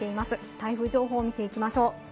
台風情報を見ていきましょう。